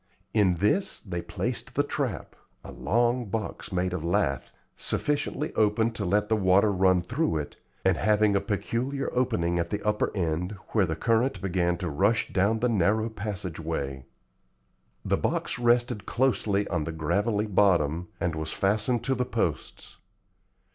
In this they placed the trap, a long box made of lath, sufficiently open to let the water run through it, and having a peculiar opening at the upper end where the current began to rush down the narrow passage way. The box rested closely on the gravelly bottom, and was fastened to the posts.